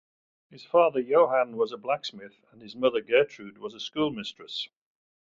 His father Johann was a blacksmith and his mother Gertrud was a schoolmistress.